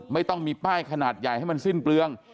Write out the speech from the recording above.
ไม่ต้องมีป้ายขนาดใหญ่ให้มันสิ้นเปลือง